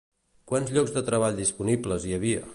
Quants llocs de treball disponibles hi havia?